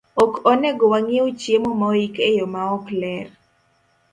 Ok onego wang'iew chiemo moik e yo maok ler.